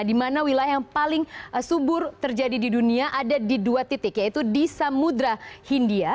di mana wilayah yang paling subur terjadi di dunia ada di dua titik yaitu di samudera hindia